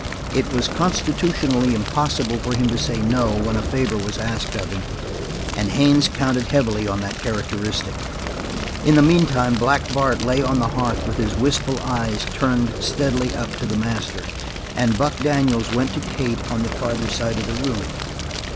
It was constitutionally impossible for him to say no when a favor was asked of him, and Haines counted heavily on that characteristic; in the meantime Black Bart lay on the hearth with his wistful eyes turned steadily up to the master; and Buck Daniels went to Kate on the farther side of the room.